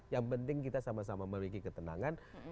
yang penting kita sama sama memiliki ketenangan